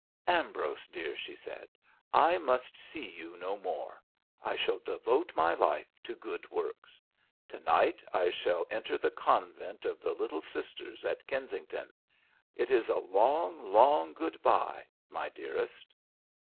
"Ambrose, dear," she said, "I must see you no more, I shall devote my life to good works. To night I shall enter the Convent of the Little Sisters at Kensington. It is a long, long good bye, my dearest."